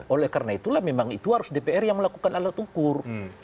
oleh karena itulah memang itu harus dpr yang melakukan alat ukur